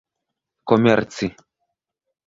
komerci